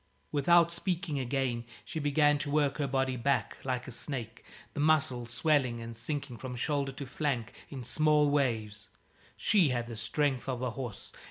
Without speaking again, she began to work her body back, like a snake, the muscles swelling and sinking from shoulder to flank in small waves. She had the strength of a horse.